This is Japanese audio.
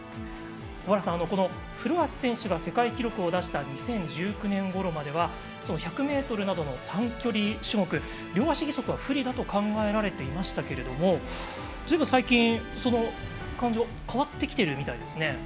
保原さん、フロアス選手が世界記録を出した２０１９年ごろまでは１００ｍなどの短距離種目両足義足は不利だと考えられていましたけどずいぶん最近、その感じが変わってきているみたいですね。